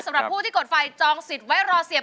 สำหรับผู้ที่กดไฟจองสิทธิ์ไว้รอเสียบ